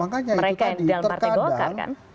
mereka yang di dalam partai golkar kan